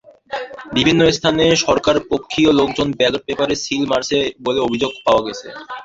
বিভিন্ন স্থানে সরকারপক্ষীয় লোকজন ব্যালট পেপারে সিল মারছে বলে অভিযাগ পাওয়া গেছে।